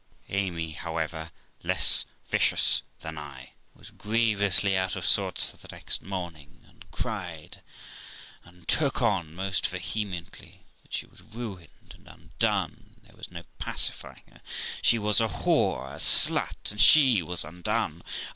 Amy, however, less vicious than I, was grievously out of sorts the next morning, and cried and took on most vehemently, that she was ruined and undone, and there was no pacifying her; she was a whore, a slut, and she was undone